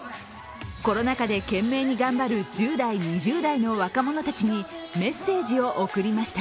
コロナ禍で懸命に頑張る１０代、２０代の若者たちにメッセージを送りました。